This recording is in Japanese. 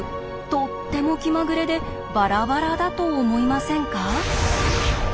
とっても気まぐれでバラバラだと思いませんか。